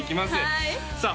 はいさあ